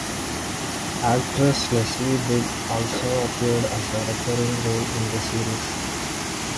Actress Leslie Bibb also appeared as a recurring role in the series.